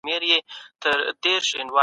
د ودې لپاره مناسبه خاوره اړینه ده.